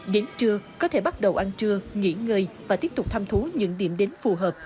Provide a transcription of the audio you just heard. đến trưa có thể bắt đầu ăn trưa nghỉ ngơi và tiếp tục thăm thú những điểm đến phù hợp